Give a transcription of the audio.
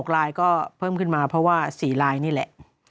ลายก็เพิ่มขึ้นมาเพราะว่า๔ลายนี่แหละ